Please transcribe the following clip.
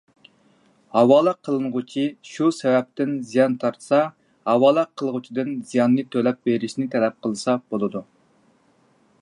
ھاۋالە قىلىنغۇچى شۇ سەۋەبتىن زىيان تارتسا، ھاۋالە قىلغۇچىدىن زىياننى تۆلەپ بېرىشنى تەلەپ قىلسا بولىدۇ.